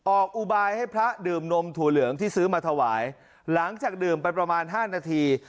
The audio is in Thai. อุบายให้พระดื่มนมถั่วเหลืองที่ซื้อมาถวายหลังจากดื่มไปประมาณห้านาที